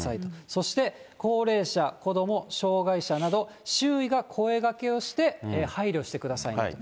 そして、高齢者、子ども、障害者など、周囲が声がけをして配慮してくださいねと。